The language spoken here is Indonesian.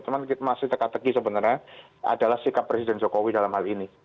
cuman masih tegak tegi sebenarnya adalah sikap presiden jokowi dalam hal ini